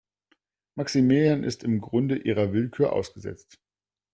Maximilian ist im Grunde ihrer Willkür ausgesetzt.